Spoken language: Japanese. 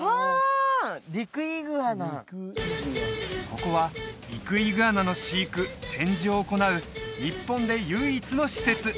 ここはリクイグアナの飼育展示を行う日本で唯一の施設